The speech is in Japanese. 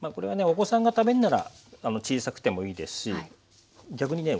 お子さんが食べるんなら小さくてもいいですし逆にね